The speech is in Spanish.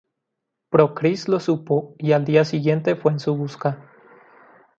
Procris lo supo y al día siguiente fue en su busca.